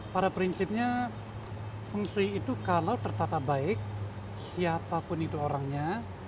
pada prinsipnya feng shui itu kalau tertata baik siapapun itu orangnya